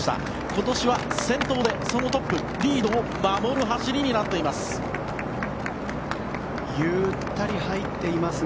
今年は先頭でトップ、リードを守る走りになっています。